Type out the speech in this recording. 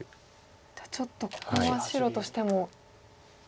じゃあちょっとここは白としてもどうするのか。